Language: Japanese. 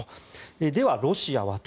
では、ロシアはと。